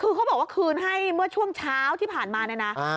คือเขาบอกว่าคืนให้เมื่อช่วงเช้าที่ผ่านมาเนี่ยนะ